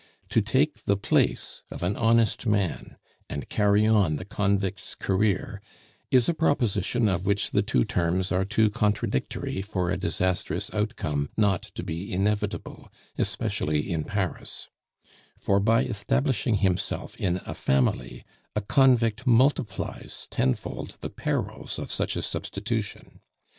To take the place of an honest man and carry on the convict's career is a proposition of which the two terms are too contradictory for a disastrous outcome not to be inevitable, especially in Paris; for, by establishing himself in a family, a convict multiplies tenfold the perils of such a substitution.